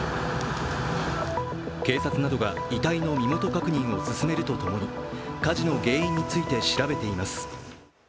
警察などが遺体の身元確認を進めるとともに火事の原因について調べています。